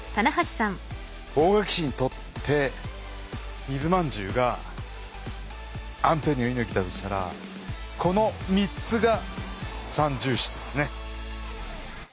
大垣市にとって水まんじゅうがアントニオ猪木だとしたらこの３つが三銃士ですね！